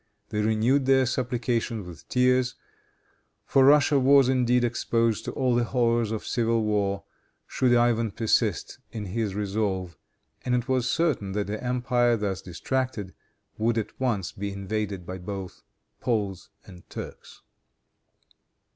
They renewed their supplications with tears, for Russia was, indeed, exposed to all the horrors of civil war, should Ivan persist in his resolve, and it was certain that the empire, thus distracted, would at once be invaded by both Poles and Turks.